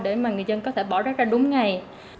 để mà người dân có thể bỏ rác ra đúng ngày